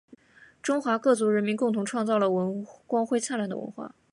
中国各族人民共同创造了光辉灿烂的文化